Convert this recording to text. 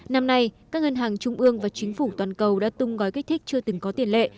năm nay các ngân hàng trung ương và chính phủ toàn cầu đã tung gói kích thích chưa từng có tiền lệ